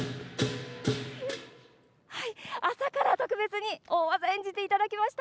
朝から特別に大技演じていただきました。